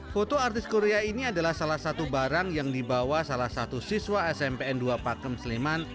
foto artis korea ini adalah salah satu barang yang dibawa salah satu siswa smpn dua pakem sleman